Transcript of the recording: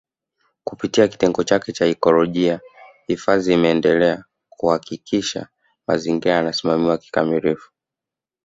Kupitia kitengo chake cha ikolojia hifadhi imeendelea kuhakikisha mazingira yanasimamiwa kikamilifu